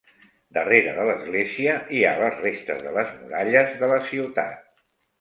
Darrere de l'església hi ha les restes de les muralles de la ciutat.